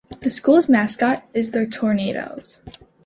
The school mascot is the Tornadoes.